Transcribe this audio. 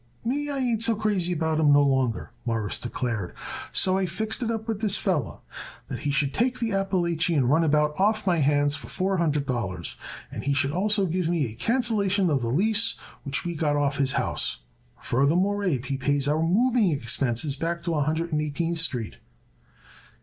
"Me, I ain't so crazy about 'em no longer," Morris declared. "So I fixed it up with this feller that he should take the Appalachian runabout off my hands for four hundred dollars and he should also give me a cancelation of the lease which we got of his house. Furthermore, Abe, he pays our moving expenses back to a Hundred and Eighteenth Street."